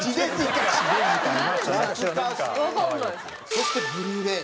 そしてブルーレイ。